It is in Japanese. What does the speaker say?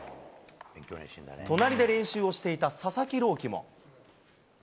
隣で練習をしていた佐々木朗希も。